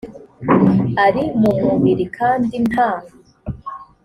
ari mu mubiri kandi nta